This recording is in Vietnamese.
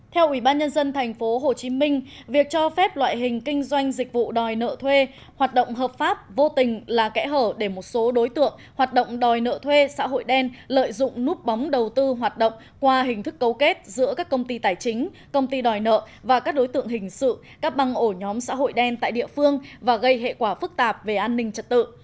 theo ủy ban nhân dân tp hcm việc cho phép loại hình kinh doanh dịch vụ đòi nợ thuê hoạt động hợp pháp vô tình là kẽ hở để một số đối tượng hoạt động đòi nợ thuê xã hội đen lợi dụng núp bóng đầu tư hoạt động qua hình thức cấu kết giữa các công ty tài chính công ty đòi nợ và các đối tượng hình sự các băng ổ nhóm xã hội đen tại địa phương và gây hệ quả phức tạp về an ninh trật tự